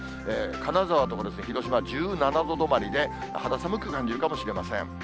金沢とか広島１７度止まりで、肌寒く感じるかもしれません。